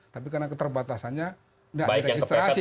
tapi karena keterbatasannya nggak ada registrasi kan gitu